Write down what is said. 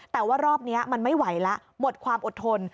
แต่ว่ารอบนี้มันไม่ไหวแล้วหมดความอดทน